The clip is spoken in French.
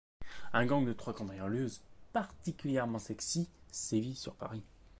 Un gang de trois cambrioleuses particulièrement sexy sévit sur Paris.